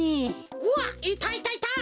うわっいたいたいた！